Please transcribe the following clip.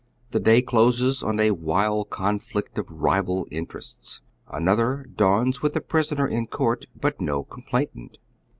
The day closes on a wild con flict of rival interests. Another dawns with the prisoner in court, but no complainant.